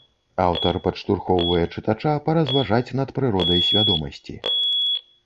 Аўтар падштурхоўвае чытача паразважаць над прыродай свядомасці.